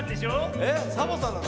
えっサボさんなの？